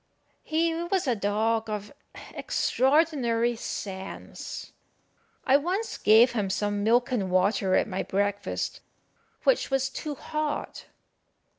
He was a dog of extraordinary sense. I once gave him some milk and water at my breakfast, which was too hot.